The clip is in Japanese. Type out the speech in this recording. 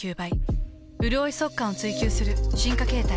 うるおい速乾を追求する進化形態。